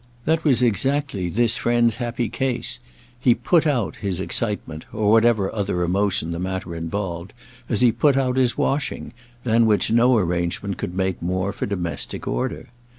That was exactly this friend's happy case; he "put out" his excitement, or whatever other emotion the matter involved, as he put out his washing; than which no arrangement could make more for domestic order.